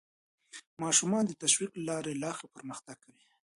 ماشومان د تشویق له لارې لا ښه پرمختګ کوي